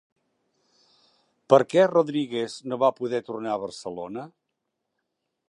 Per què Rodríguez no va poder tornar a Barcelona?